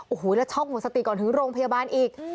โอ้โหแล้วช็อกหมดสติก่อนถึงโรงพยาบาลอีก